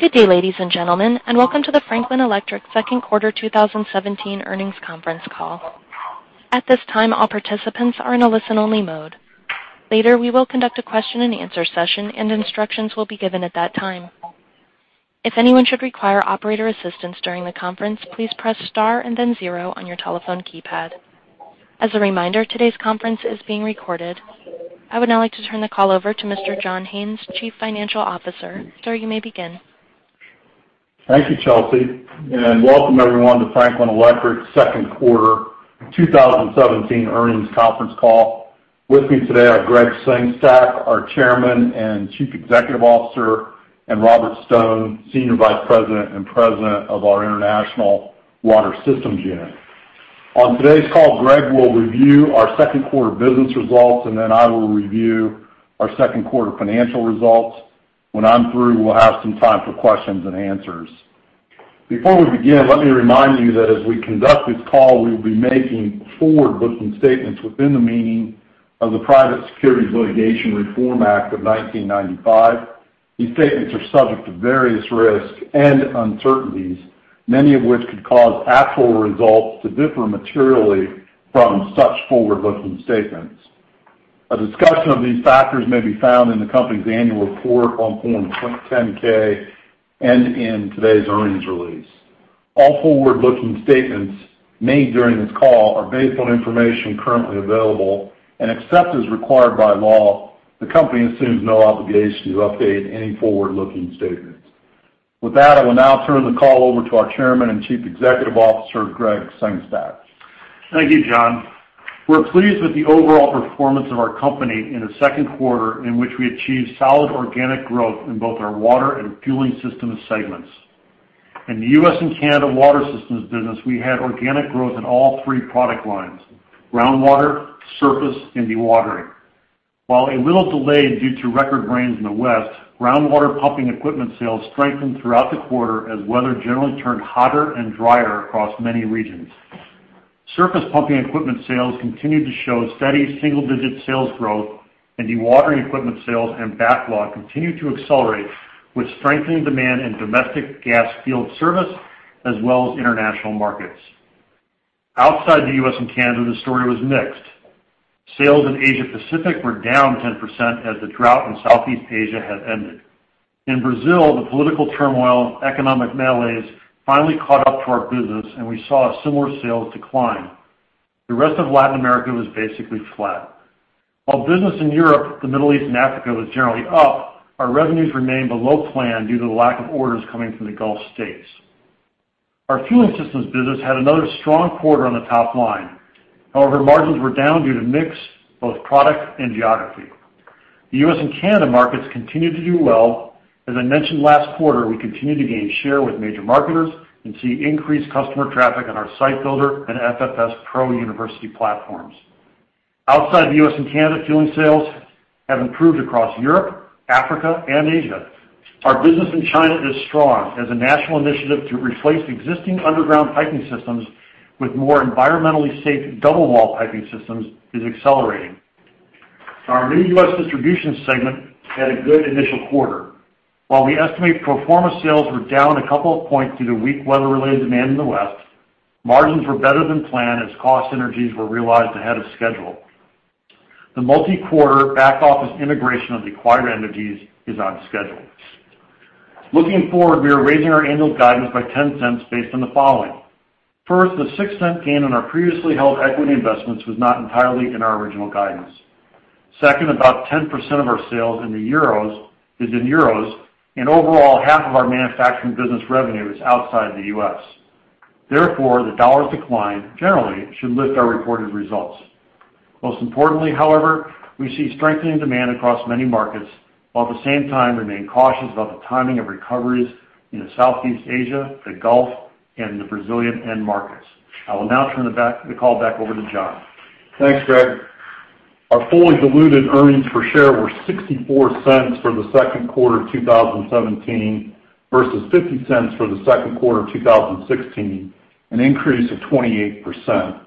Good day, ladies and gentlemen, and welcome to the Franklin Electric second quarter 2017 earnings conference call. At this time, all participants are in a listen-only mode. Later, we will conduct a question-and-answer session, and instructions will be given at that time. If anyone should require operator assistance during the conference, please press star and then zero on your telephone keypad. As a reminder, today's conference is being recorded. I would now like to turn the call over to Mr. John Haines, Chief Financial Officer. Sir, you may begin. Thank you, Chelsea, and welcome everyone to Franklin Electric's second quarter 2017 earnings conference call. With me today are Gregg Sengstack, our Chairman and Chief Executive Officer, and Robert Stone, Senior Vice President and President of our International Water Systems unit. On today's call, Greg will review our second quarter business results, and then I will review our second quarter financial results. When I'm through, we'll have some time for questions and answers. Before we begin, let me remind you that as we conduct this call, we will be making forward-looking statements within the meaning of the Private Securities Litigation Reform Act of 1995. These statements are subject to various risks and uncertainties, many of which could cause actual results to differ materially from such forward-looking statements. A discussion of these factors may be found in the company's annual report on Form 10-K and in today's earnings release. All forward-looking statements made during this call are based on information currently available, and except as required by law, the company assumes no obligation to update any forward-looking statements. With that, I will now turn the call over to our Chairman and Chief Executive Officer, Gregg Sengstack. Thank you, John. We're pleased with the overall performance of our company in the second quarter, in which we achieved solid organic growth in both our water and fueling system segments. In the U.S. and Canada Water Systems business, we had organic growth in all three product lines: groundwater, surface, and dewatering. While a little delayed due to record rains in the West, groundwater pumping equipment sales strengthened throughout the quarter as weather generally turned hotter and drier across many regions. Surface pumping equipment sales continued to show steady single-digit sales growth, and dewatering equipment sales and backlog continued to accelerate, with strengthening demand in domestic gas field service as well as international markets. Outside the U.S. and Canada, the story was mixed. Sales in Asia Pacific were down 10% as the drought in Southeast Asia had ended. In Brazil, the political turmoil, economic malaise finally caught up to our business, and we saw a similar sales decline. The rest of Latin America was basically flat. While business in Europe, the Middle East, and Africa was generally up, our revenues remained below plan due to the lack of orders coming from the Gulf States. Our fueling systems business had another strong quarter on the top line. However, margins were down due to mix, both product and geography. The U.S. and Canada markets continued to do well. As I mentioned last quarter, we continued to gain share with major marketers and see increased customer traffic on our Site Builder and FFS Pro University platforms. Outside the U.S. and Canada, fueling sales have improved across Europe, Africa, and Asia. Our business in China is strong, as a national initiative to replace existing underground piping systems with more environmentally safe double-wall piping systems is accelerating. Our main U.S. distribution segment had a good initial quarter. While we estimate pro forma sales were down a couple of points due to weak weather-related demand in the West, margins were better than planned as cost synergies were realized ahead of schedule. The multi-quarter back-office integration of the acquired entities is on schedule. Looking forward, we are raising our annual guidance by $0.10 based on the following. First, the $0.06 gain on our previously held equity investments was not entirely in our original guidance. Second, about 10% of our sales is in euros, and overall, half of our manufacturing business revenue is outside the U.S. Therefore, the dollar's decline generally should lift our reported results. Most importantly, however, we see strengthening demand across many markets, while at the same time remain cautious about the timing of recoveries in the Southeast Asia, the Gulf, and the Brazilian end markets. I will now turn the call back over to John. Thanks, Greg. Our fully diluted earnings per share were $0.64 for the second quarter of 2017 versus $0.50 for the second quarter of 2016, an increase of 28%.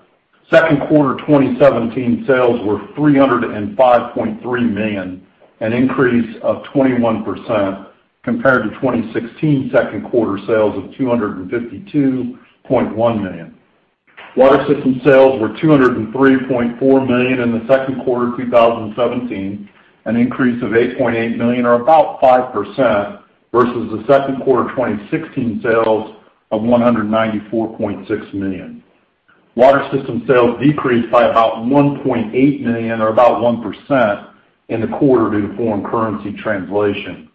Second quarter 2017 sales were $305.3 million, an increase of 21% compared to 2016 second quarter sales of $252.1 million. Water system sales were $203.4 million in the second quarter of 2017, an increase of $8.8 million, or about 5%, versus the second quarter of 2016 sales of $194.6 million. Water system sales decreased by about $1.8 million, or about 1%, in the quarter due to foreign currency translation.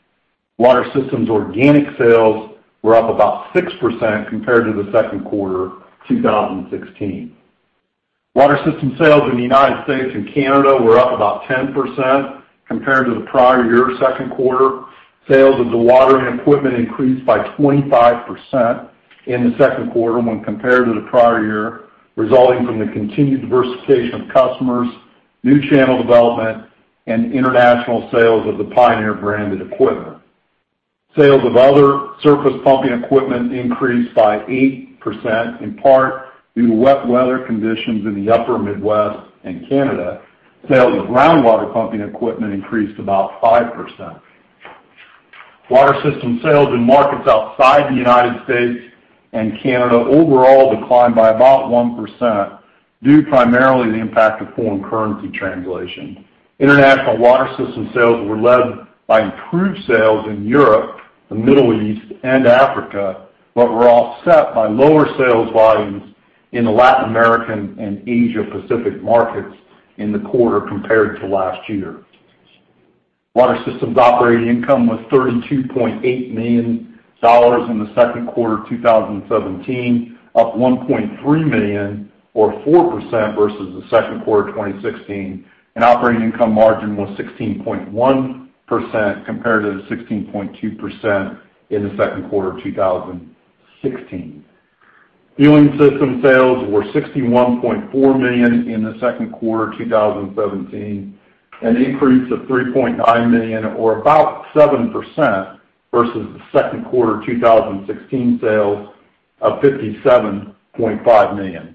Water Systems organic sales were up about 6% compared to the second quarter of 2016. Water Systems sales in the United States and Canada were up about 10% compared to the prior year's second quarter. Sales of the dewatering equipment increased by 25% in the second quarter when compared to the prior year, resulting from the continued diversification of customers, new channel development, and international sales of the Pioneer-branded equipment. Sales of other surface pumping equipment increased by 8% in part due to wet weather conditions in the upper Midwest and Canada. Sales of groundwater pumping equipment increased about 5%. Water Systems sales in markets outside the United States and Canada overall declined by about 1% due primarily to the impact of foreign currency translation. International Water Systems sales were led by improved sales in Europe, the Middle East, and Africa, but were offset by lower sales volumes in the Latin American and Asia Pacific markets in the quarter compared to last year. Water Systems operating income was $32.8 million in the second quarter of 2017, up $1.3 million or 4% versus the second quarter of 2016, and operating income margin was 16.1% compared to the 16.2% in the second quarter of 2016. Fueling Systems sales were $61.4 million in the second quarter of 2017, an increase of $3.9 million or about 7% versus the second quarter of 2016 sales of $57.5 million.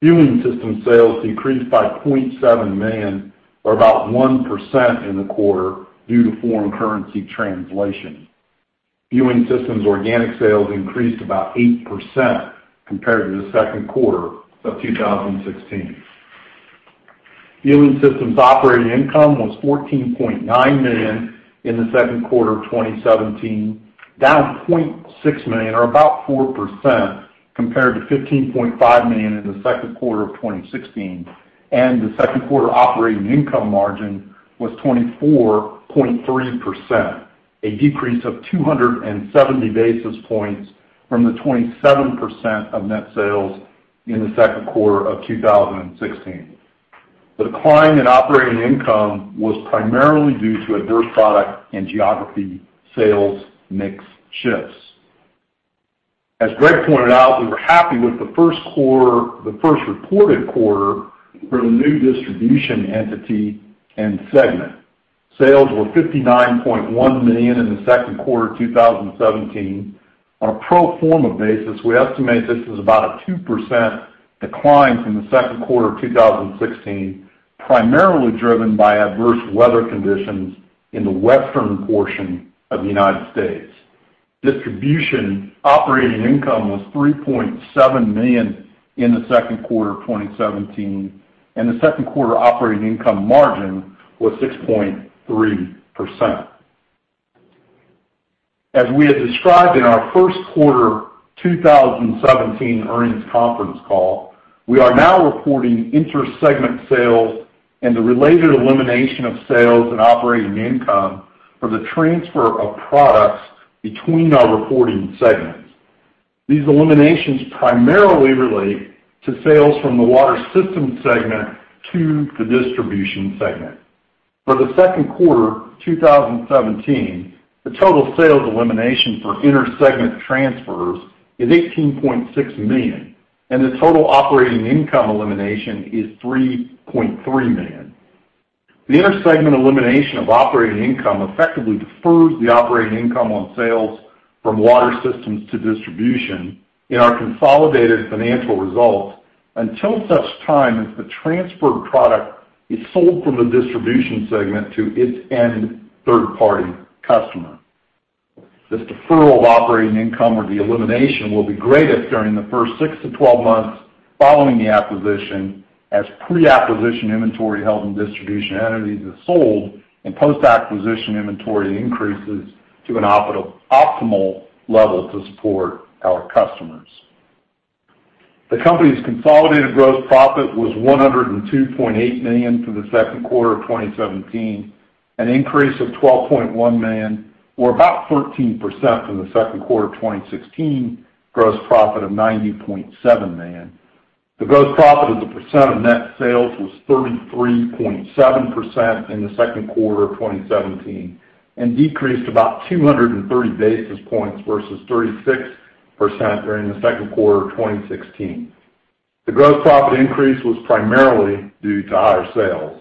Fueling systems sales decreased by $0.7 million, or about 1% in the quarter due to foreign currency translation. Fueling systems organic sales increased about 8% compared to the second quarter of 2016. Fueling systems operating income was $14.9 million in the second quarter of 2017, down $0.6 million or about 4% compared to $15.5 million in the second quarter of 2016, and the second quarter operating income margin was 24.3%, a decrease of 270 basis points from the 27% of net sales in the second quarter of 2016. The decline in operating income was primarily due to adverse product and geography sales mix shifts. As Gregg pointed out, we were happy with the first quarter, the first reported quarter for the new distribution entity and segment. Sales were $59.1 million in the second quarter of 2017. On a pro forma basis, we estimate this is about a 2% decline from the second quarter of 2016, primarily driven by adverse weather conditions in the western portion of the United States. Distribution operating income was $3.7 million in the second quarter of 2017, and the second quarter operating income margin was 6.3%. As we had described in our first quarter 2017 earnings conference call, we are now reporting inter-segment sales and the related elimination of sales and operating income from the transfer of products between our reporting segments. These eliminations primarily relate to sales from the water system segment to the distribution segment. For the second quarter 2017, the total sales elimination for inter-segment transfers is $18.6 million, and the total operating income elimination is $3.3 million. The inter-segment elimination of operating income effectively defers the operating income on sales from water systems to distribution in our consolidated financial results until such time as the transferred product is sold from the distribution segment to its end third-party customer. This deferral of operating income or the elimination will be greatest during the first six to 12 months following the acquisition, as pre-acquisition inventory held in distribution entities is sold and post-acquisition inventory increases to an optimal level to support our customers. The company's consolidated gross profit was $102.8 million for the second quarter of 2017, an increase of $12.1 million, or about 13% from the second quarter of 2016 gross profit of $90.7 million. The gross profit as a percent of net sales was 33.7% in the second quarter of 2017 and decreased about 230 basis points versus 36% during the second quarter of 2016. The gross profit increase was primarily due to higher sales.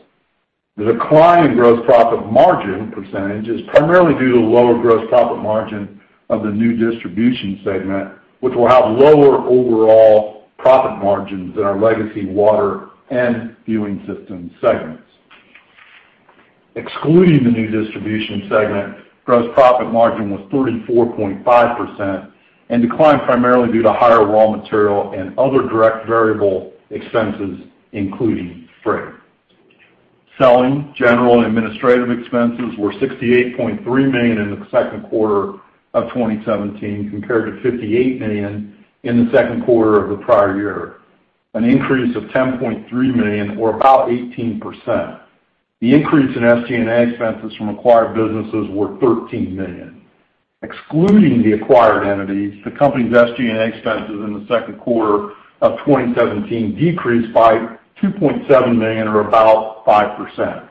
The decline in gross profit margin percentage is primarily due to the lower gross profit margin of the new distribution segment, which will have lower overall profit margins than our legacy water and fueling systems segments. Excluding the new distribution segment, gross profit margin was 34.5% and declined primarily due to higher raw material and other direct variable expenses, including freight. Selling, general, and administrative expenses were $68.3 million in the second quarter of 2017, compared to $58 million in the second quarter of the prior year, an increase of $10.3 million or about 18%. The increase in SG&A expenses from acquired businesses were $13 million. Excluding the acquired entities, the company's SG&A expenses in the second quarter of 2017 decreased by $2.7 million, or about 5%.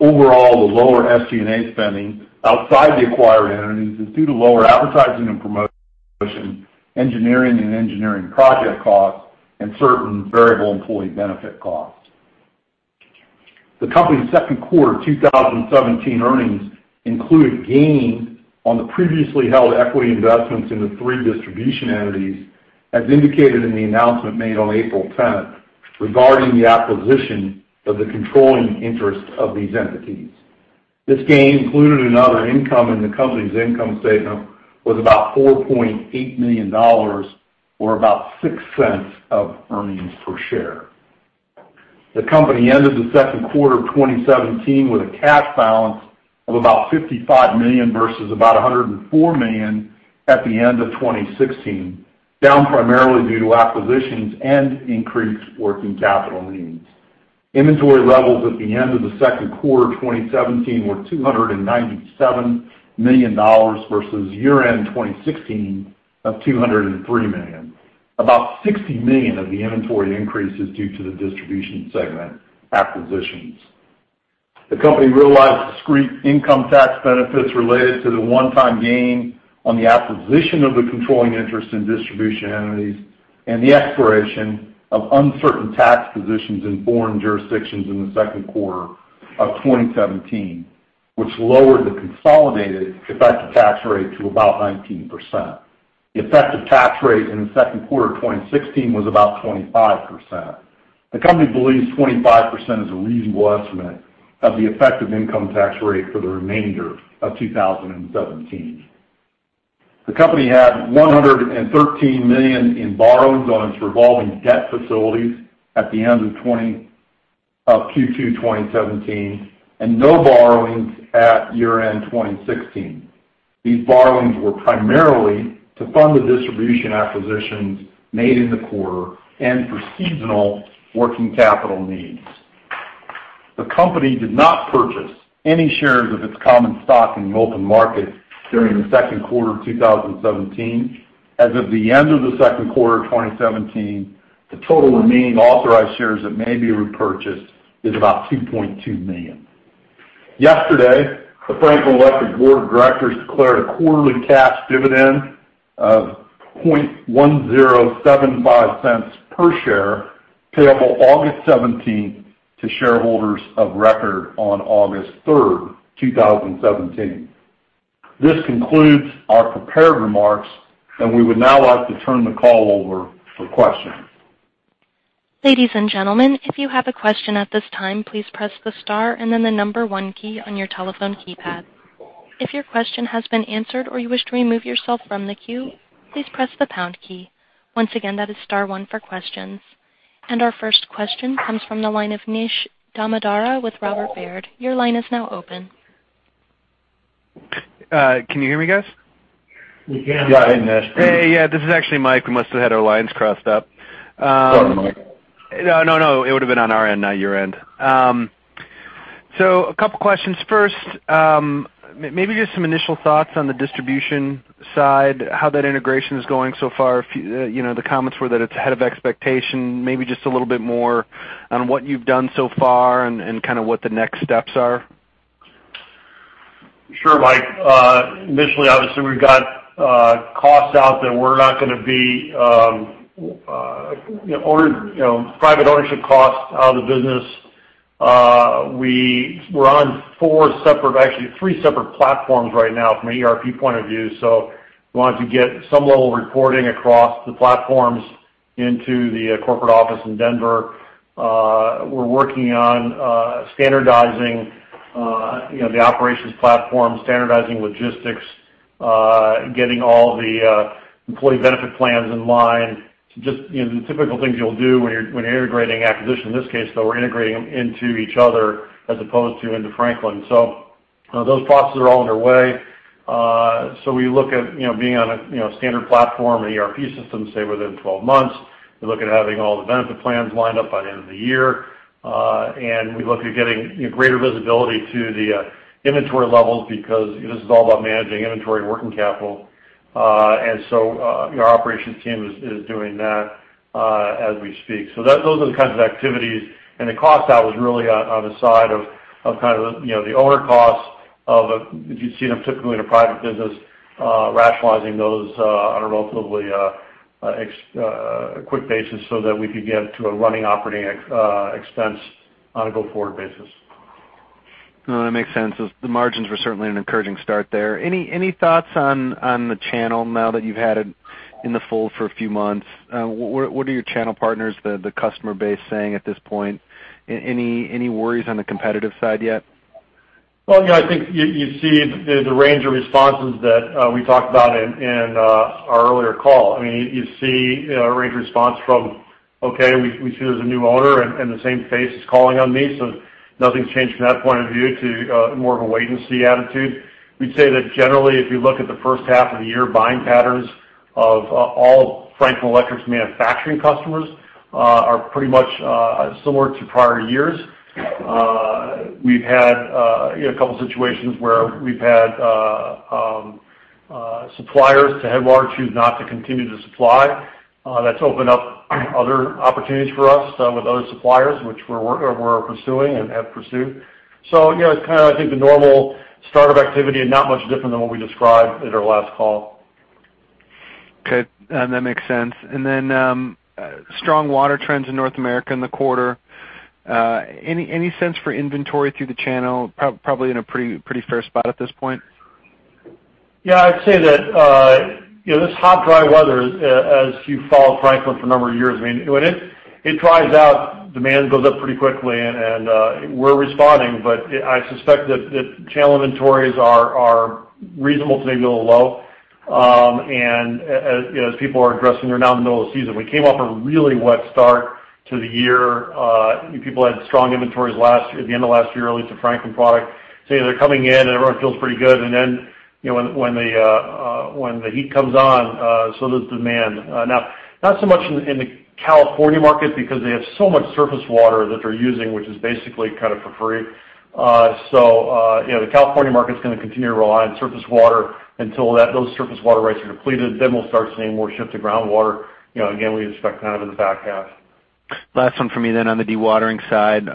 Overall, the lower SG&A spending outside the acquired entities is due to lower advertising and promotion, engineering and engineering project costs, and certain variable employee benefit costs. The company's second quarter 2017 earnings included gains on the previously held equity investments in the three distribution entities. as indicated in the announcement made on April 10, regarding the acquisition of the controlling interest of these entities. This gain, included in other income in the company's income statement, was about $4.8 million, or about $0.06 of earnings per share. The company ended the second quarter of 2017 with a cash balance of about $55 million versus about $104 million at the end of 2016, down primarily due to acquisitions and increased working capital needs. Inventory levels at the end of the second quarter of 2017 were $297 million versus year-end 2016 of $203 million. About $60 million of the inventory increase is due to the distribution segment acquisitions. The company realized discrete income tax benefits related to the one-time gain on the acquisition of the controlling interest in distribution entities and the expiration of uncertain tax positions in foreign jurisdictions in the second quarter of 2017, which lowered the consolidated effective tax rate to about 19%. The effective tax rate in the second quarter of 2016 was about 25%. The company believes 25% is a reasonable estimate of the effective income tax rate for the remainder of 2017. The company had $113 million in borrowings on its revolving debt facilities at the end of Q2 2017, and no borrowings at year-end 2016. These borrowings were primarily to fund the distribution acquisitions made in the quarter and for seasonal working capital needs. The company did not purchase any shares of its common stock in the open market during the second quarter of 2017. As of the end of the second quarter of 2017, the total remaining authorized shares that may be repurchased is about 2.2 million. Yesterday, the Franklin Electric Board of Directors declared a quarterly cash dividend of $0.1075 per share, payable August seventeenth, to shareholders of record on August third, 2017. This concludes our prepared remarks, and we would now like to turn the call over for questions. Ladies and gentlemen, if you have a question at this time, please press the star and then the 1 key on your telephone keypad. If your question has been answered or you wish to remove yourself from the queue, please press the pound key. Once again, that is star 1 for questions. And our first question comes from the line of Mike Halloran with Robert Baird. Your line is now open. Can you hear me, guys? We can. Yeah, hi, Nish. Hey, yeah, this is actually Mike. We must have had our lines crossed up. Sorry, Mike. No, no, no, it would have been on our end, not your end. So a couple questions. First, maybe just some initial thoughts on the distribution side, how that integration is going so far. A few, you know, the comments were that it's ahead of expectation. Maybe just a little bit more on what you've done so far and kind of what the next steps are. Sure, Mike. Initially, obviously, we've got costs out that we're not going to be, you know, private ownership costs out of the business. We're on four separate, actually, three separate platforms right now from an ERP point of view, so we wanted to get some level of reporting across the platforms into the corporate office in Denver. We're working on standardizing, you know, the operations platform, standardizing logistics, getting all the employee benefit plans in line. Just, you know, the typical things you'll do when you're integrating acquisitions. In this case, though, we're integrating them into each other as opposed to into Franklin. So, those processes are all underway. So we look at, you know, being on a, you know, standard platform, an ERP system, say, within 12 months. We look at having all the benefit plans lined up by the end of the year. We look at getting, you know, greater visibility to the inventory levels because this is all about managing inventory and working capital. Your operations team is doing that as we speak. So those are the kinds of activities, and the cost out was really on the side of kind of, you know, the owner costs of, if you'd see them typically in a private business, rationalizing those on a relatively quick basis so that we could get to a running, operating expense on a go-forward basis. No, that makes sense. The, the margins were certainly an encouraging start there. Any, any thoughts on, on the channel now that you've had it in the fold for a few months? What, what are your channel partners, the, the customer base saying at this point? Any, any worries on the competitive side yet? Well, you know, I think you, you see the, the range of responses that we talked about in, in our earlier call. I mean, you, you see, you know, a range of response from, "Okay, we, we see there's a new owner, and, and the same face is calling on me, so nothing's changed from that point of view," to more of a wait-and-see attitude. We'd say that generally, if you look at the first half of the year, buying patterns of all Franklin Electric's manufacturing customers are pretty much similar to prior years. We've had, you know, a couple situations where we've had suppliers to Headwater choose not to continue to supply. That's opened up other opportunities for us with other suppliers, which we're pursuing and have pursued. You know, it's kind of, I think, the normal start of activity and not much different than what we described in our last call. Okay, and that makes sense. And then, strong water trends in North America in the quarter. Any sense for inventory through the channel? Probably in a pretty fair spot at this point? .Yeah, I'd say that, you know, this hot, dry weather, as you've followed Franklin for a number of years, I mean, when it dries out, demand goes up pretty quickly, and we're responding. But I suspect that channel inventories are reasonable to maybe a little low. And as you know, as people are addressing, they're now in the middle of the season. We came off a really wet start to the year. People had strong inventories last year, at the end of last year, at least of Franklin product. So they're coming in, and everyone feels pretty good. And then, you know, when the heat comes on, so does demand. Now, not so much in the California market because they have so much surface water that they're using, which is basically kind of for free. So, you know, the California market's going to continue to rely on surface water until those surface water rates are depleted. Then we'll start seeing more shift to groundwater. You know, again, we expect kind of in the back half. Last one for me, then on the dewatering side.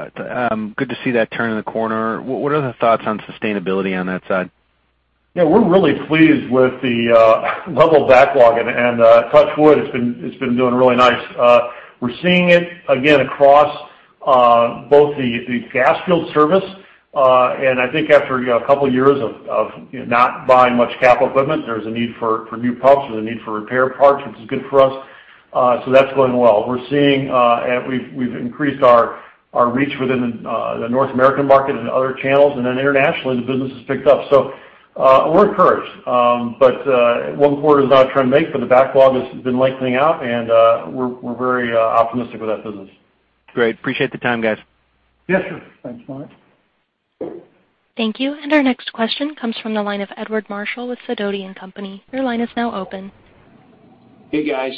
Good to see that turning the corner. What are the thoughts on sustainability on that side? Yeah, we're really pleased with the level of backlog and, touch wood, it's been doing really nice. We're seeing it again across both the gas field service. And I think after, you know, a couple of years of, you know, not buying much capital equipment, there's a need for new pumps, there's a need for repair parts, which is good for us. So that's going well. We're seeing, and we've increased our reach within the North American market and other channels, and then internationally, the business has picked up. So, we're encouraged. But, one quarter is not a trend make, but the backlog has been lengthening out, and, we're very optimistic with that business. Great. Appreciate the time, guys. Yes, sir. Thanks, Mark. Thank you. And our next question comes from the line of Edward Marshall with Sidoti & Company. Your line is now open. Hey, guys.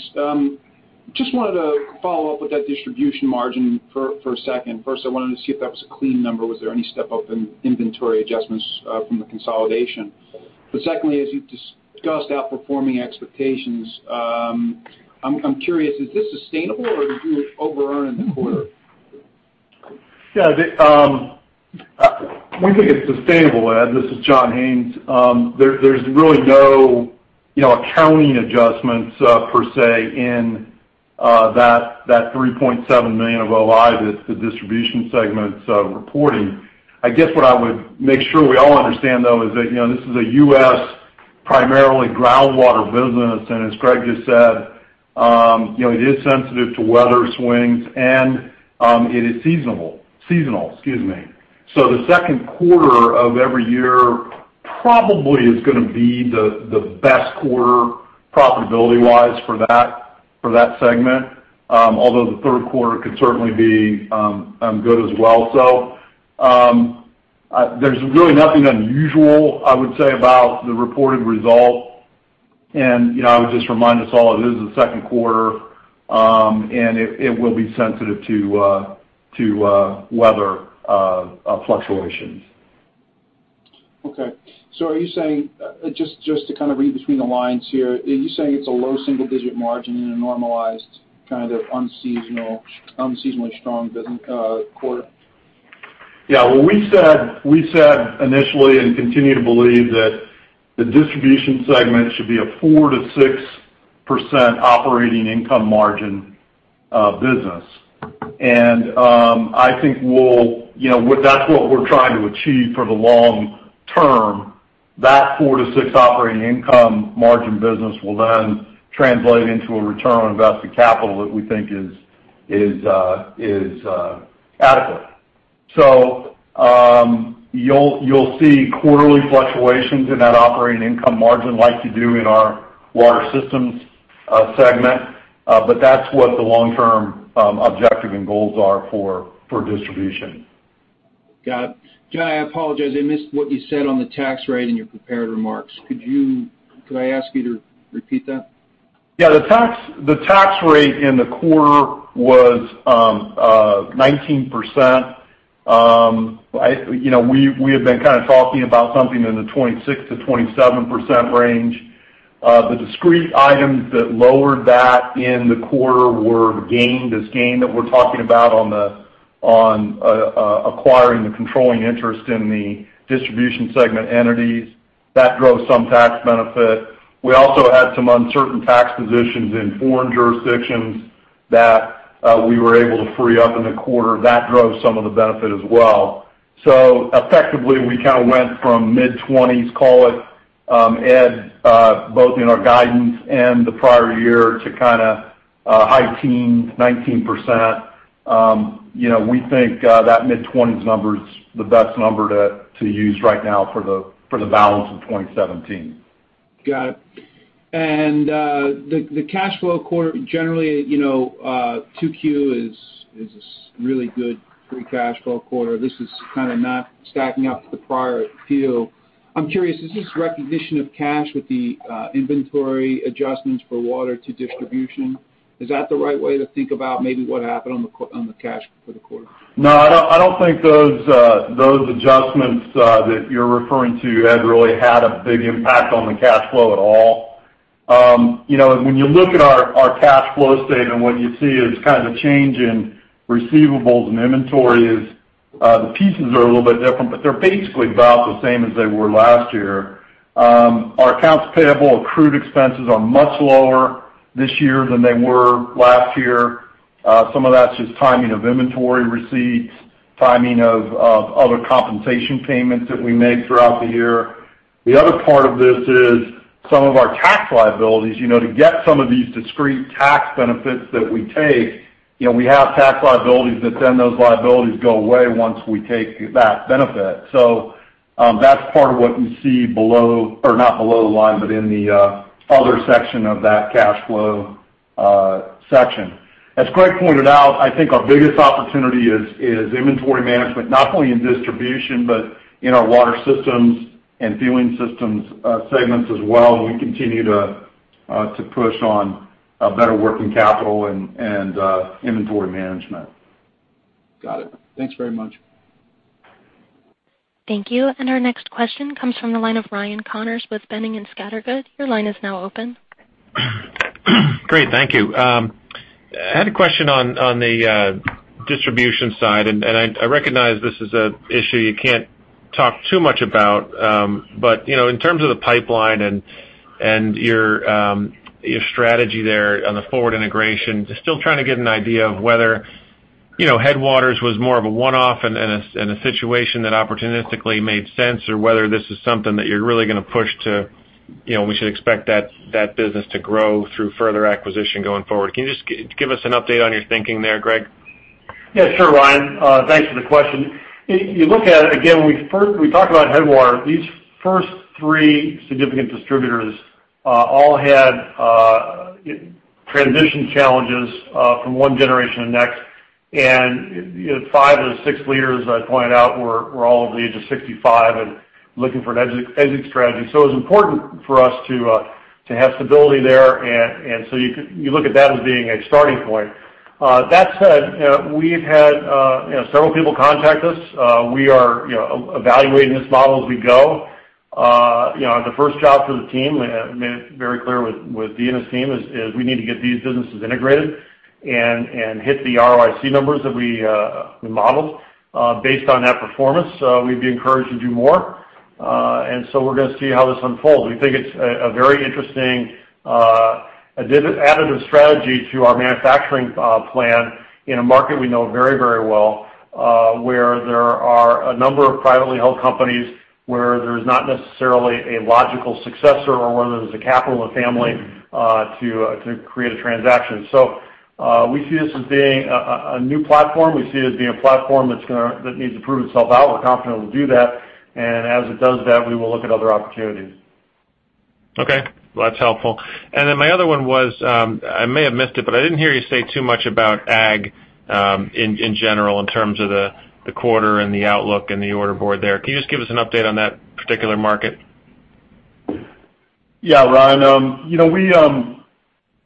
Just wanted to follow up with that distribution margin for a second. First, I wanted to see if that was a clean number. Was there any step up in inventory adjustments from the consolidation? But secondly, as you've discussed outperforming expectations, I'm curious, is this sustainable or are you overearning the quarter? Yeah, we think it's sustainable, Ed. This is John Haines. There's really no, you know, accounting adjustments, per se, in that $3.7 million of OI that the distribution segment's reporting. I guess what I would make sure we all understand, though, is that, you know, this is a U.S. primarily groundwater business, and as Gregg just said, you know, it is sensitive to weather swings, and it is seasonal, excuse me. So the second quarter of every year probably is going to be the best quarter, profitability-wise, for that segment. Although the third quarter could certainly be good as well. So, there's really nothing unusual, I would say, about the reported result. You know, I would just remind us all, it is the second quarter, and it will be sensitive to weather fluctuations. Okay. So are you saying, just, just to kind of read between the lines here, are you saying it's a low single-digit margin in a normalized, kind of, unseasonal, unseasonally strong business, quarter? Yeah. Well, we said initially and continue to believe that the distribution segment should be a 4%-6% operating income margin business. I think you know that's what we're trying to achieve for the long term. That 4%-6% operating income margin business will then translate into a return on invested capital that we think is adequate. You'll see quarterly fluctuations in that operating income margin like you do in our water systems segment. But that's what the long-term objective and goals are for distribution. Got it. John, I apologize. I missed what you said on the tax rate in your prepared remarks. Could I ask you to repeat that? Yeah, the tax, the tax rate in the quarter was nineteen percent. I, you know, we have been kind of talking about something in the 26%-27% range. The discrete items that lowered that in the quarter were gain, this gain that we're talking about on the, on, acquiring the controlling interest in the distribution segment entities. That drove some tax benefit. We also had some uncertain tax positions in foreign jurisdictions that we were able to free up in the quarter. That drove some of the benefit as well. So effectively, we kind of went from mid-twenties, call it, Ed, both in our guidance and the prior year to kinda, high teens, 19%. You know, we think that mid-20s number is the best number to use right now for the balance of 2017. Got it. And, the cash flow quarter, generally, you know, 2Q is a really good free cash flow quarter. This is kind of not stacking up to the prior few. I'm curious, is this recognition of cash with the inventory adjustments for water to distribution? Is that the right way to think about maybe what happened on the Q on the cash for the quarter? No, I don't, I don't think those, those adjustments that you're referring to, Ed, really had a big impact on the cash flow at all. You know, when you look at our, our cash flow statement, what you see is kind of a change in receivables and inventories. The pieces are a little bit different, but they're basically about the same as they were last year. Our accounts payable, accrued expenses are much lower this year than they were last year. Some of that's just timing of inventory receipts, timing of, of other compensation payments that we made throughout the year. The other part of this is some of our tax liabilities. You know, to get some of these discrete tax benefits that we take, you know, we have tax liabilities, but then those liabilities go away once we take that benefit. So, that's part of what you see below, or not below the line, but in the other section of that cash flow section. As Gregg pointed out, I think our biggest opportunity is inventory management, not only in distribution, but in our water systems and fueling systems segments as well. We continue to push on a better working capital and inventory management. Got it. Thanks very much. Thank you. Our next question comes from the line of Ryan Connors with Boenning and Scattergood. Your line is now open. Great, thank you. I had a question on the distribution side, and I recognize this is an issue you can't talk too much about. But, you know, in terms of the pipeline and your strategy there on the forward integration, just still trying to get an idea of whether, you know, Headwaters was more of a one-off and a situation that opportunistically made sense, or whether this is something that you're really going to push to, you know, we should expect that business to grow through further acquisition going forward. Can you just give us an update on your thinking there, Greg? Yeah, sure, Ryan. Thanks for the question. You look at it again, when we first talked about Headwater. These first three significant distributors all had transition challenges from one generation to the next. And, you know, 5 of the 6 leaders I pointed out were all over the age of 65 and looking for an exit strategy. So it was important for us to have stability there. And so you could look at that as being a starting point. That said, we've had, you know, several people contact us. We are, you know, evaluating this model as we go. You know, the first job for the team made it very clear with Dean and his team is we need to get these businesses integrated and hit the ROIC numbers that we modeled. Based on that performance, we'd be encouraged to do more. And so we're going to see how this unfolds. We think it's a very interesting additive strategy to our manufacturing plan in a market we know very well, where there are a number of privately held companies, where there's not necessarily a logical successor or whether there's the capital in the family to create a transaction. So we see this as being a new platform. We see it as being a platform that needs to prove itself out. We're confident it'll do that, and as it does that, we will look at other opportunities. Okay, well, that's helpful. And then my other one was, I may have missed it, but I didn't hear you say too much about ag, in general, in terms of the quarter and the outlook and the order board there. Can you just give us an update on that particular market? Yeah, Ryan. You know, we,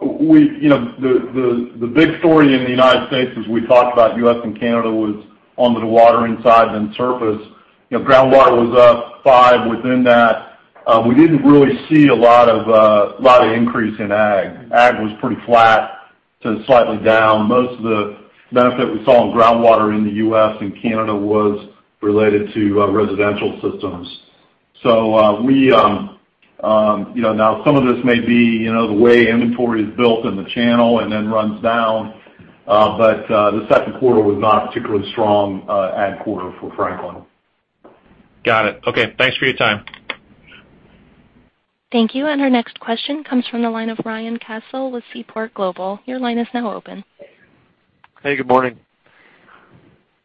you know, the big story in the United States, as we talked about U.S. and Canada, was on the water systems side than surface. You know, groundwater was up 5% within that. We didn't really see a lot of increase in ag. Ag was pretty flat to slightly down. Most of the benefit we saw in groundwater in the U.S. and Canada was related to residential systems. So, we, you know, now some of this may be, you know, the way inventory is built in the channel and then runs down, but the second quarter was not a particularly strong ag quarter for Franklin. Got it. Okay. Thanks for your time. Thank you. Our next question comes from the line of Ryan Cassil with Seaport Global. Your line is now open. Hey, good morning.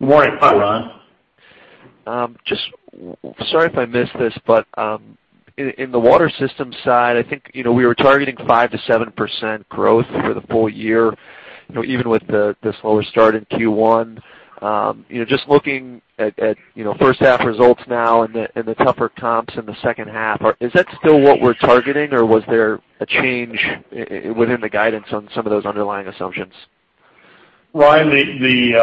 Good morning. Hi, Ryan. Just, sorry if I missed this, but in the water system side, I think, you know, we were targeting 5%-7% growth for the full year, you know, even with the slower start in Q1. You know, just looking at first half results now and the tougher comps in the second half, is that still what we're targeting, or was there a change within the guidance on some of those underlying assumptions? Ryan, we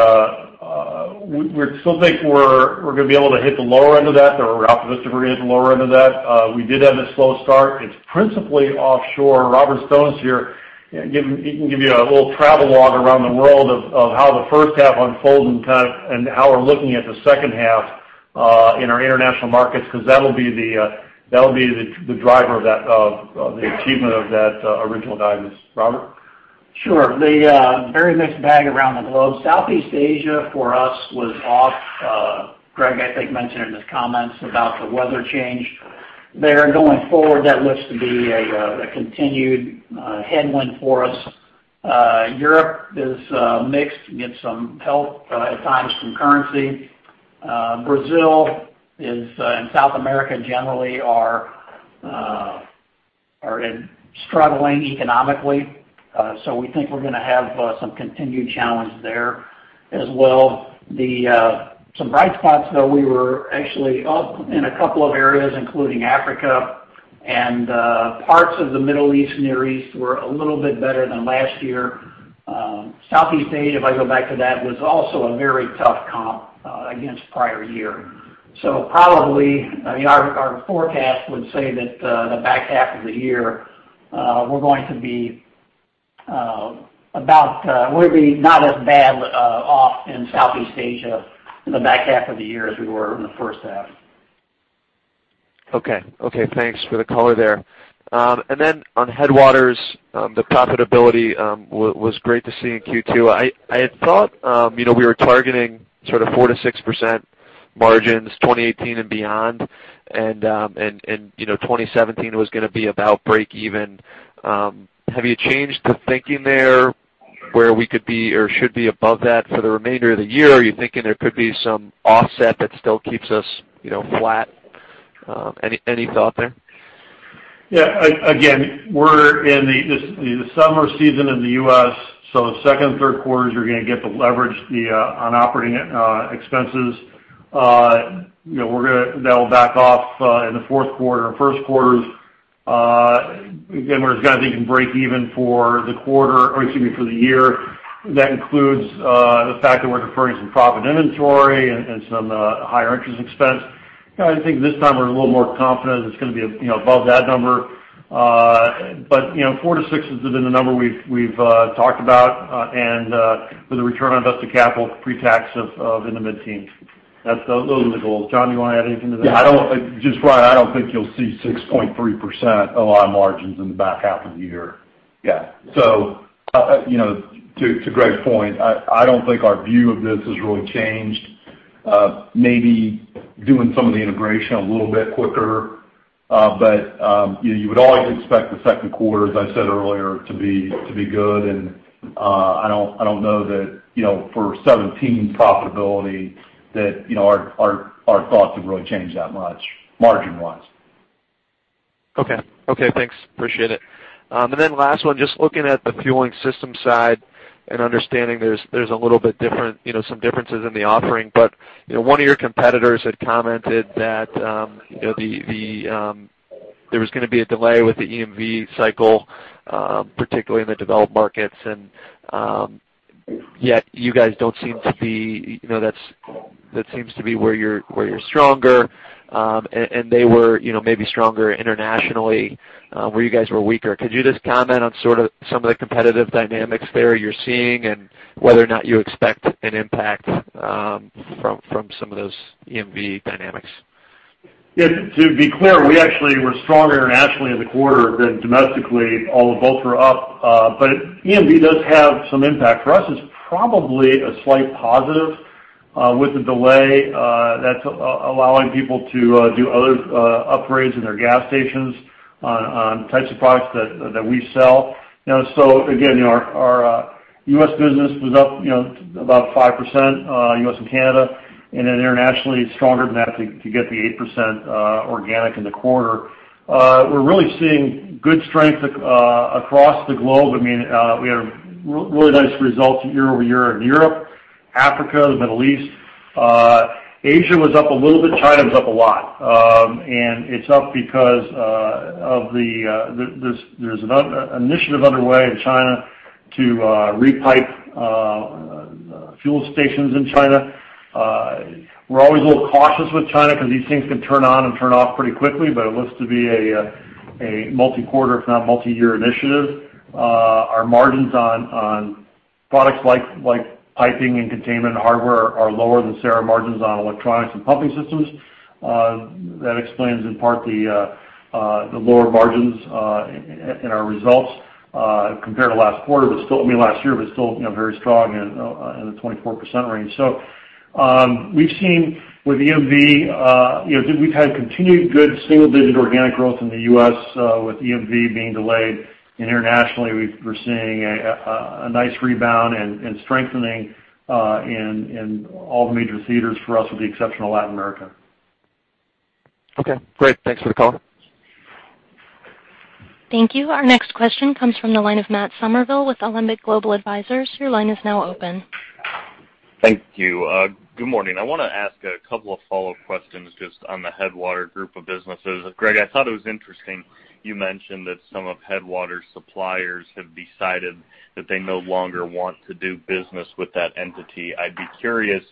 still think we're going to be able to hit the lower end of that, or we're optimistic we're going to hit the lower end of that. We did have a slow start. It's principally offshore. Robert Stone's here. He can give you a little travelogue around the world of how the first half unfolded and how we're looking at the second half in our international markets, because that'll be the driver of that, the achievement of that original guidance. Robert? Sure. The very mixed bag around the globe. Southeast Asia, for us, was off. Gregg, I think, mentioned in his comments about the weather change there. Going forward, that looks to be a continued headwind for us. Europe is mixed, get some help at times from currency. Brazil is and South America generally are struggling economically. So we think we're going to have some continued challenge there as well. Some bright spots, though, we were actually up in a couple of areas, including Africa and parts of the Middle East and Near East were a little bit better than last year. Southeast Asia, if I go back to that, was also a very tough comp against prior year. Probably, I mean, our forecast would say that the back half of the year we're going to be. We'll be not as bad off in Southeast Asia in the back half of the year as we were in the first half. Okay. Okay, thanks for the color there. And then on Headwater, the profitability was great to see in Q2. I had thought, you know, we were targeting sort of 4%-6% margins, 2018 and beyond, and, and, you know, 2017 was going to be about break even. Have you changed the thinking there, where we could be or should be above that for the remainder of the year? Are you thinking there could be some offset that still keeps us, you know, flat? Any thought there? Yeah. Again, we're in the summer season in the US, so the second and third quarters, you're going to get the leverage on operating expenses. You know, we're going to that'll back off in the fourth quarter and first quarters. Again, we're going to be in break even for the quarter, or excuse me, for the year. That includes the fact that we're deferring some profit inventory and some higher interest expense. I think this time we're a little more confident it's going to be, you know, above that number. But, you know, 4-6 has been the number we've talked about, and with a return on invested capital pre-tax of in the mid-teens. That's those are the goals. John, you want to add anything to that? Yeah, I don't think you'll see 6.3% on our margins in the back half of the year. Yeah. So, you know, to Gregg's point, I don't think our view of this has really changed. Maybe doing some of the integration a little bit quicker, but you know, you would always expect the second quarter, as I said earlier, to be good. I don't know that, you know, for 2017 profitability, our thoughts have really changed that much, margin-wise. Okay. Okay, thanks. Appreciate it. And then last one, just looking at the fueling system side and understanding there's a little bit different, you know, some differences in the offering. But, you know, one of your competitors had commented that, you know, there was going to be a delay with the EMV cycle, particularly in the developed markets. And yet you guys don't seem to be, you know, that seems to be where you're stronger. And they were, you know, maybe stronger internationally, where you guys were weaker. Could you just comment on sort of some of the competitive dynamics there you're seeing, and whether or not you expect an impact from some of those EMV dynamics? Yeah, to be clear, we actually were stronger internationally in the quarter than domestically, although both were up. But EMV does have some impact. For us, it's probably a slight positive, with the delay, that's allowing people to do other upgrades in their gas stations on types of products that we sell. You know, so again, our U.S. business was up, you know, about 5%, U.S. and Canada, and then internationally, stronger than that to get the 8% organic in the quarter. We're really seeing good strength across the globe. I mean, we had really nice results year-over-year in Europe, Africa, the Middle East. Asia was up a little bit. China was up a lot. And it's up because of the initiative underway in China to re-pipe fuel stations in China. We're always a little cautious with China because these things can turn on and turn off pretty quickly, but it looks to be a multi-quarter, if not multi-year initiative. Our margins on products like piping and containment and hardware are lower than our margins on electronics and pumping systems. That explains in part the lower margins in our results compared to last quarter, but still—I mean, last year, but still, you know, very strong in the 24% range. So, we've seen with EMV, you know, we've had continued good single digit organic growth in the U.S. with EMV being delayed. Internationally, we're seeing a nice rebound and strengthening in all the major theaters for us with the exception of Latin America. Okay, great. Thanks for the call. Thank you. Our next question comes from the line of Matt Somerville with Olympic Global Advisors. Your line is now open. Thank you. Good morning. I want to ask a couple of follow-up questions just on the Headwater group of businesses. Greg, I thought it was interesting, you mentioned that some of Headwater's suppliers have decided that they no longer want to do business with that entity. I'd be curious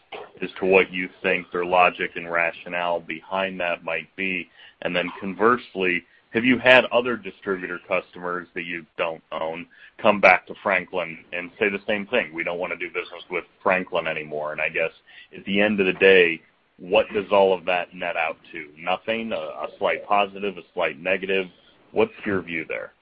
as to what you think their logic and rationale behind that might be. And then conversely, have you had other distributor customers that you don't own, come back to Franklin and say the same thing? "We don't want to do business with Franklin anymore." And I guess, at the end of the day, what does all of that net out to? Nothing, a slight positive, a slight negative? What's your view there?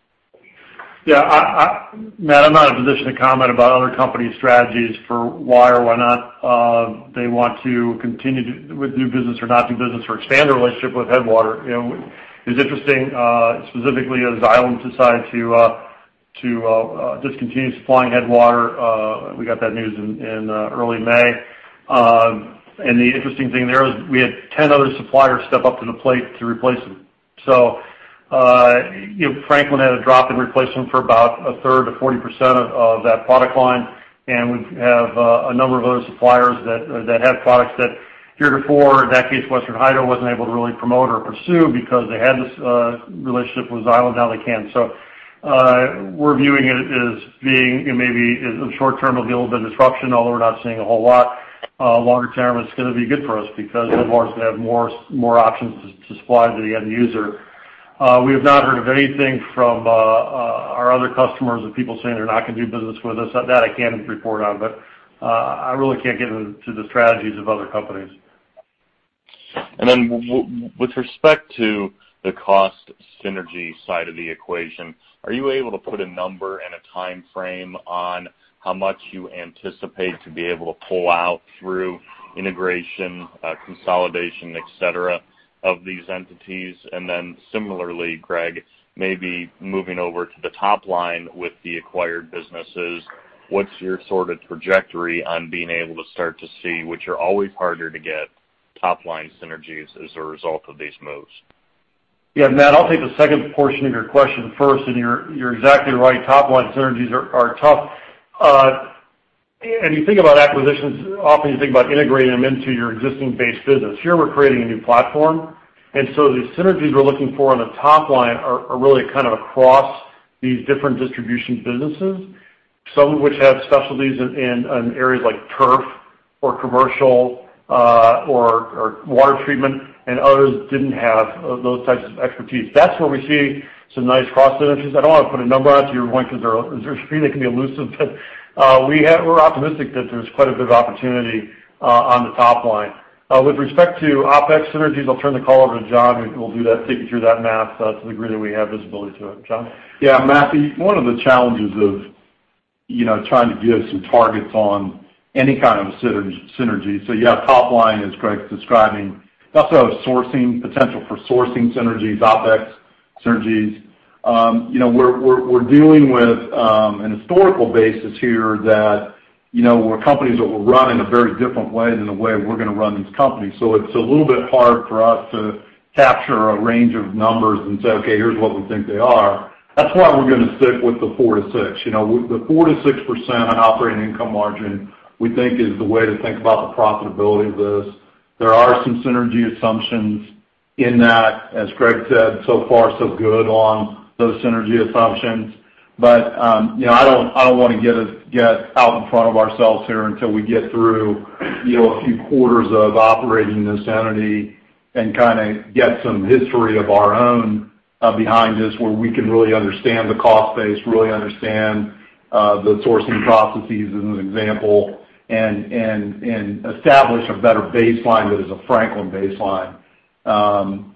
Yeah, Matt, I'm not in a position to comment about other companies' strategies for why or why not they want to continue to do business or not do business or expand their relationship with Headwater. You know, it's interesting, specifically, as Xylem decided to discontinue supplying Headwater, we got that news in early May. And the interesting thing there is we had 10 other suppliers step up to the plate to replace them. So, you know, Franklin had to drop and replace them for about a third to 40% of that product line. And we have a number of other suppliers that have products that heretofore, in that case, Western Hydro wasn't able to really promote or pursue because they had this relationship with Xylem; now they can. We're viewing it as being, you know, maybe in the short term, there'll be a little bit of disruption, although we're not seeing a whole lot. Longer term, it's going to be good for us because Headwater can have more options to supply to the end user. We have not heard of anything from our other customers or people saying they're not going to do business with us. That I can report on, but I really can't get into the strategies of other companies. And then with respect to the cost synergy side of the equation, are you able to put a number and a time frame on how much you anticipate to be able to pull out through integration, consolidation, et cetera, of these entities? And then similarly, Greg, maybe moving over to the top line with the acquired businesses, what's your sort of trajectory on being able to start to see, which are always harder to get, top-line synergies as a result of these moves? Yeah, Matt, I'll take the second portion of your question first, and you're exactly right. Top-line synergies are tough. And you think about acquisitions, often you think about integrating them into your existing base business. Here, we're creating a new platform, and so the synergies we're looking for on the top line are really kind of across these different distribution businesses, some of which have specialties in on areas like turf or commercial, or water treatment, and others didn't have those types of expertise. That's where we see some nice cross synergies. I don't want to put a number on it to your point, because they're really can be elusive. But, we're optimistic that there's quite a bit of opportunity on the top line. With respect to OpEx synergies, I'll turn the call over to John, who will do that, take you through that math, to the degree that we have visibility to it. John? Yeah, Matthew, one of the challenges of, you know, trying to give some targets on any kind of synergy, synergy. So you have top line, as Greg's describing, also sourcing, potential for sourcing synergies, OpEx synergies. You know, we're dealing with an historical basis here that, you know, where companies that were run in a very different way than the way we're going to run these companies. So it's a little bit hard for us to capture a range of numbers and say, "Okay, here's what we think they are." That's why we're going to stick with the 4-6. You know, the 4%-6% on operating income margin, we think is the way to think about the profitability of this. There are some synergy assumptions in that, as Greg said, so far, so good on those synergy assumptions. But, you know, I don't, I don't want to get out in front of ourselves here until we get through, you know, a few quarters of operating this entity and kind of get some history of our own behind us, where we can really understand the cost base, really understand the sourcing processes, as an example, and establish a better baseline that is a Franklin baseline,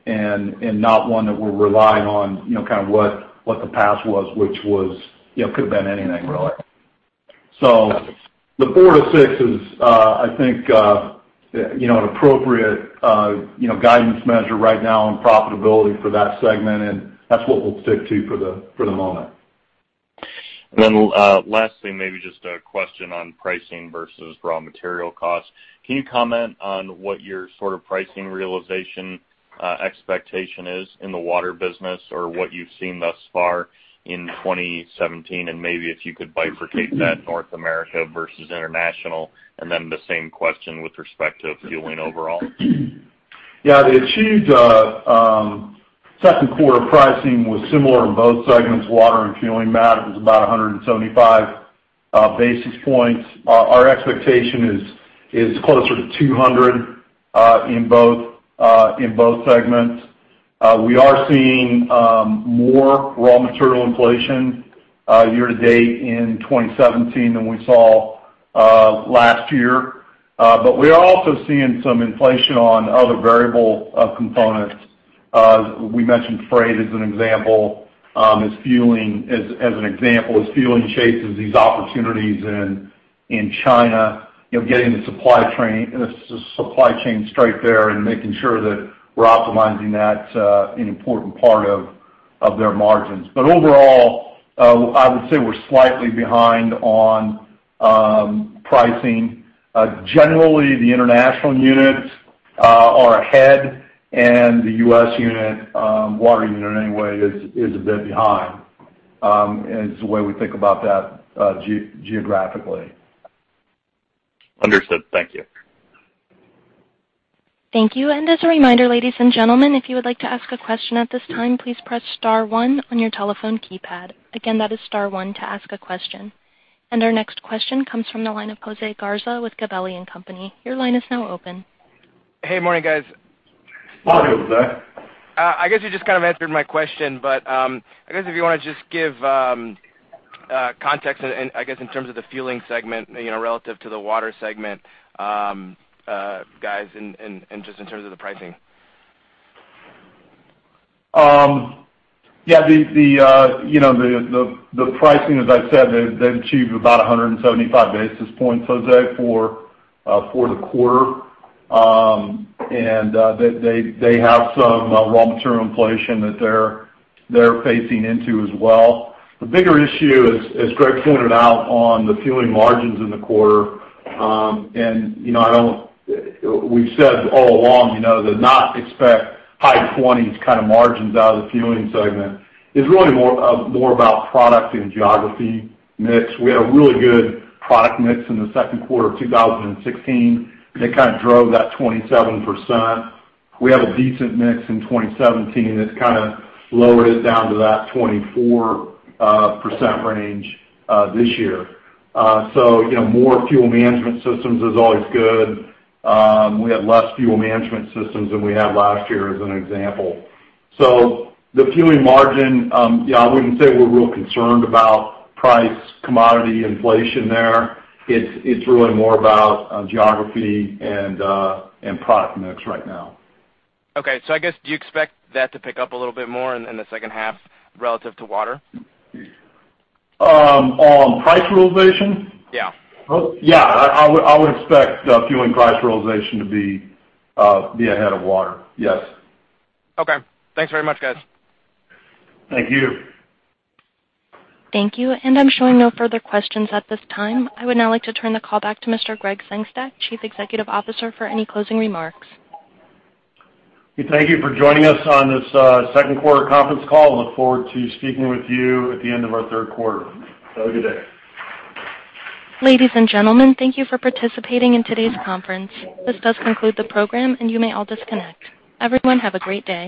and not one that we're relying on, you know, kind of what the past was, which was... You know, could have been anything, really. So the 4-6 is, I think, you know, an appropriate, you know, guidance measure right now on profitability for that segment, and that's what we'll stick to for the, for the moment. And then, lastly, maybe just a question on pricing versus raw material costs. Can you comment on what your sort of pricing realization, expectation is in the water business, or what you've seen thus far in 2017? And maybe if you could bifurcate that North America versus International, and then the same question with respect to fueling overall. Yeah, the achieved second quarter pricing was similar in both segments, water and fueling. Matt, it was about 175 basis points. Our expectation is closer to 200 in both segments. We are seeing more raw material inflation year to date in 2017 than we saw last year. But we are also seeing some inflation on other variable components. We mentioned freight as an example, as fueling chases these opportunities in China, you know, getting the supply chain straight there and making sure that we're optimizing that, an important part of their margins. But overall, I would say we're slightly behind on pricing. Generally, the international units are ahead, and the US unit, water unit anyway, is a bit behind, is the way we think about that, geographically. Understood. Thank you. Thank you. As a reminder, ladies and gentlemen, if you would like to ask a question at this time, please press star one on your telephone keypad. Again, that is star one to ask a question. Our next question comes from the line of Jose Garza with Gabelli & Company. Your line is now open. Hey, good morning, guys. Morning, Jose. I guess you just kind of answered my question, but I guess if you want to just give context and I guess in terms of the fueling segment, you know, relative to the water segment, guys, and just in terms of the pricing. Yeah, you know, the pricing, as I said, they, they've achieved about 175 basis points, Jose, for the quarter. And they have some raw material inflation that they're facing into as well. The bigger issue is, as Gregg pointed out on the fueling margins in the quarter, and, you know, I don't... We've said all along, you know, to not expect high 20s kind of margins out of the fueling segment. It's really more about product and geography mix. We had a really good product mix in the second quarter of 2016, and it kind of drove that 27%. We have a decent mix in 2017, and it's kind of lowered it down to that 24% range this year. So, you know, more fuel management systems is always good. We have less fuel management systems than we had last year, as an example. So the fueling margin, yeah, I wouldn't say we're real concerned about price, commodity, inflation there. It's, it's really more about, geography and, and product mix right now. Okay, so I guess, do you expect that to pick up a little bit more in the second half relative to water? On price realization? Yeah. Well, yeah, I would expect fueling price realization to be ahead of water. Yes. Okay. Thanks very much, guys. Thank you. Thank you, and I'm showing no further questions at this time. I would now like to turn the call back to Mr. Gregg Sengstack, Chief Executive Officer, for any closing remarks. We thank you for joining us on this second quarter conference call and look forward to speaking with you at the end of our third quarter. Have a good day. Ladies and gentlemen, thank you for participating in today's conference. This does conclude the program, and you may all disconnect. Everyone, have a great day.